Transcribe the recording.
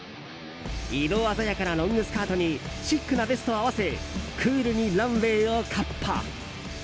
色鮮やかなロングスカートにシックなベストを合わせクールにランウェーを闊歩。